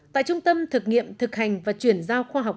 tại trung tâm thực nghiệm thực hành và chuyển giao khoa học